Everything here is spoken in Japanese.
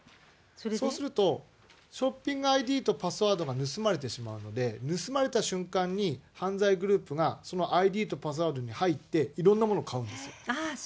そうすると、ショッピングＩＤとパスワードが盗まれてしまうので、盗まれた瞬間に、犯罪グループがそのＩＤとパスワードで入って、いろんなものを買うんですよ。